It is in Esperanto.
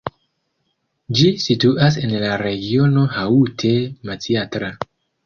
Ĝi situas en la regiono Haute-Matsiatra.